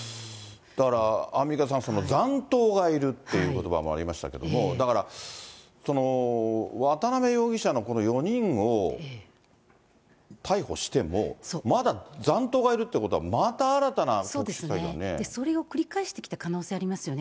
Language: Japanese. だからアンミカさん、残党がいるっていうことばもありましたけど、だからその渡辺容疑者のこの４人を逮捕しても、そうですよね、それを繰り返してきた可能性がありますよね。